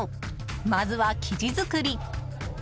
まずは生地作り。